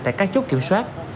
tại các chốt kiểm soát